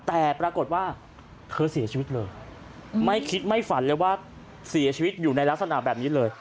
แต่ปรากฏว่าเธอเสียชีวิตเลยไม่คิดไม่ฝันเลยว่าเสียชีวิตอยู่ในลักษณะแบบนี้เลย